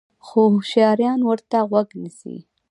خو هوشیاران ورته غوږ نیسي.